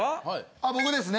あ僕ですね。